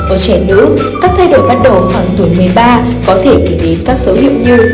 ở trẻ nữ các thay đổi bắt đầu khoảng tuổi một mươi ba có thể kể đến các dấu hiệu như